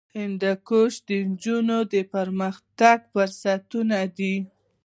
هندوکش د نجونو د پرمختګ فرصتونه دي.